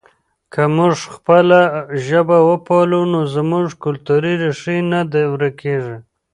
که موږ خپله ژبه وپالو نو زموږ کلتوري ریښې نه ورکېږي.